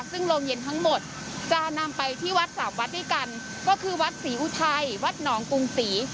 ซึ่งโรงเย็นทั้งหมดจะนำไปที่วัดสามวัดด้วยกันก็คือวัดศรีอุทัยวัดหนองกรุงศรี